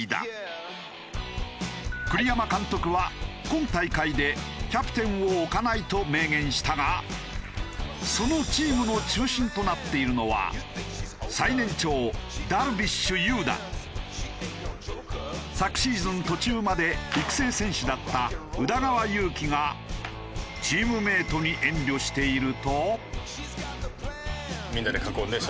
栗山監督は今大会でキャプテンを置かないと明言したがそのチームの中心となっているのは最年長ダルビッシュ有だ。昨シーズン途中まで育成選手だった宇田川優希がチームメイトに遠慮していると。